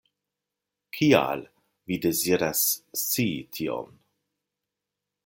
Kial vi deziras scii tion?